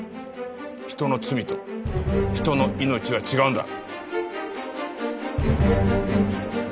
人の罪と人の命は違うんだ。